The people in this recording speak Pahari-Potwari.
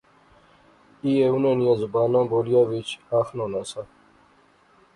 ایہھے انیں نیاں زباناں بولیا وچ آخنونا سا